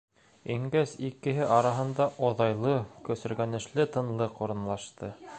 Ингәс икеһе араһында оҙайлы, көсөргәнешле тынлыҡ урынлашты.